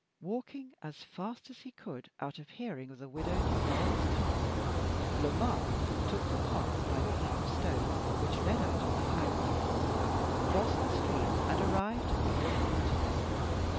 Walking as fast as he could out of hearing of the Widow Duval's tongue, Lomaque took the path by the heap of stones which led out of the high road, crossed the stream, and arrived at the old water mill.